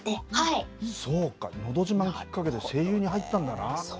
そうか「のど自慢」きっかけで声優に入ったんだな。